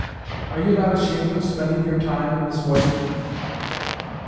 Are you not ashamed of spending your time in this way?"